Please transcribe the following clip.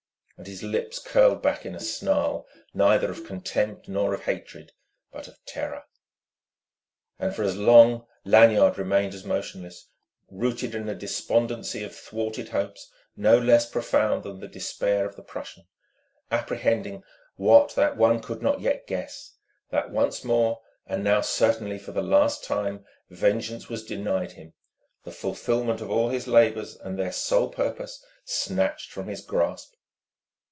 And his lips curled back in a snarl neither of contempt nor of hatred but of terror. And for as long Lanyard remained as motionless, rooted in a despondency of thwarted hopes no less profound than the despair of the Prussian, apprehending what that one could not yet guess, that once more, and now certainly for the last time, vengeance was denied him, the fulfilment of all his labours and their sole purpose snatched from his grasp.